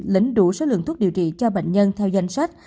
lấy đủ số lượng thuốc điều trị cho bệnh nhân theo danh sách